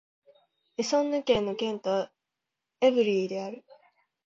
エソンヌ県の県都はエヴリーである